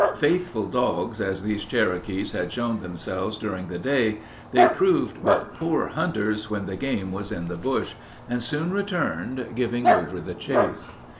Faithful dogs, as these Cherokees had shown themselves during the day, they proved but poor hunters when the game was in the bush, and soon returned, giving over the chase.